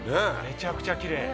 めちゃくちゃきれい。